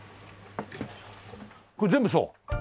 これ全部そう？